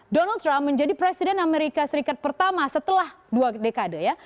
donald trump menjadi presiden amerika serikat pertama setelah dua dekade ya